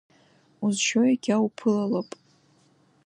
Узжьо егьа уԥылалап…